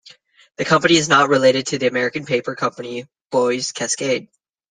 The company is not related to American paper company Boise Cascade.